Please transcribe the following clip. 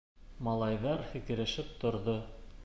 Малайҙар һикерешеп торҙо.